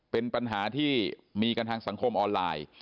เป็นปัญหาที่มีกันทางสังคมออนไลน์